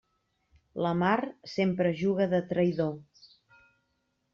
La mar sempre juga de traïdor.